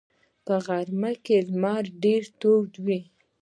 په غرمه کې لمر ډېر تاو وي